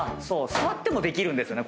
座ってもできるんですね